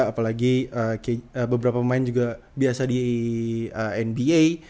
apalagi beberapa pemain juga biasa di nba